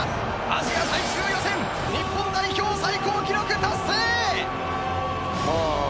アジア最終予選日本代表最高記録達成！